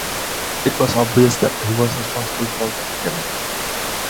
It was obvious that he was responsible for the epidemic.